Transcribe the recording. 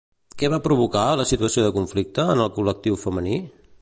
Què va provocar, la situació de conflicte, en el col·lectiu femení?